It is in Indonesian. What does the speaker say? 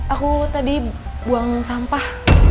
aku tadi buang sampah